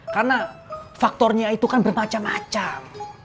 karena faktornya itu kan bermacam macam